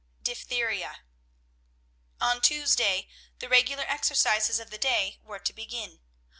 DIPHTHERIA. On Tuesday the regular exercises of the day were to begin.